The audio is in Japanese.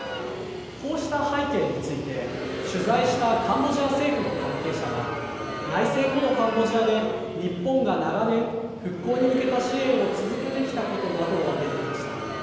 こうした背景について、取材したカンボジア政府の関係者は、内戦後のカンボジアで、日本が長年、復興に向けた支援を続けてきたことなどを挙げていました。